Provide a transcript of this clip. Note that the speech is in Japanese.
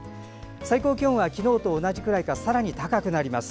最高気温は昨日と同じくらいかさらに高くなります。